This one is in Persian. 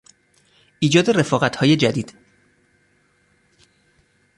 ایجاد رفاقتهای جدید